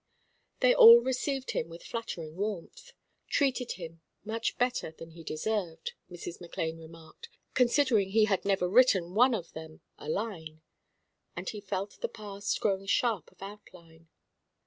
They all received him with flattering warmth, "treated him much better than he deserved," Mrs. McLane remarked, "considering he had never written one of them a line;" and he felt the past growing sharp of outline.